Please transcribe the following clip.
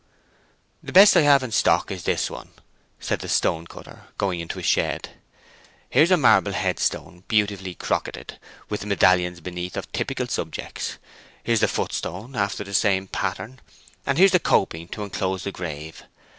"The best I have in stock is this one," said the stone cutter, going into a shed. "Here's a marble headstone beautifully crocketed, with medallions beneath of typical subjects; here's the footstone after the same pattern, and here's the coping to enclose the grave.